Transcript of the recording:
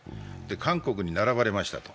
韓国に並ばれました。